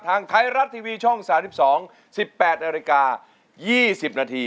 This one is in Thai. ทางไทยรัฐทีวีช่อง๓๒๑๘นาฬิกา๒๐นาที